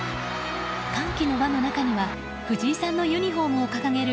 歓喜の輪の中には藤井さんのユニホームを掲げる